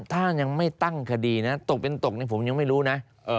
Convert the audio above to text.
ถ้ายังไม่ตั้งคดีนะตกเป็นตกนี่ผมยังไม่รู้นะ